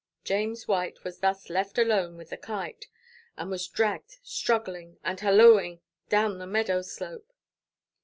James White was thus left alone with the Kite, and was dragged struggling and hallooing down the meadow slope.